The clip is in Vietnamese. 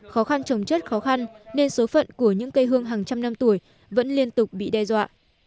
khó khăn trồng chất khó khăn nên số phận của những cây hương hàng trăm năm tuổi vẫn liên tục bị đe dọa